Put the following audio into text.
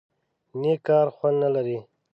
_نېک کار خوند نه لري؟